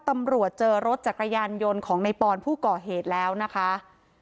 ตำรวจเจอรถจักรยานยนต์ของในปอนผู้ก่อเหตุแล้วนะคะ